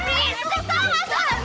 lo pisik salah salah